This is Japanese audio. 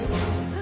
あ！